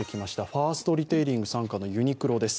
ファーストリテイリング参加のユニクロです。